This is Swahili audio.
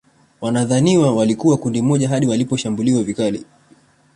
Wanadhaniwa walikuwa kundi moja hadi waliposhambuliwa vikali